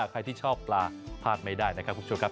ใครที่ชอบปลาพลาดไม่ได้นะครับคุณผู้ชมครับ